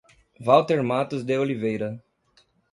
Walter Matos de Oliveira